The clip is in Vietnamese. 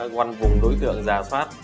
quanh vùng đối tượng giả soát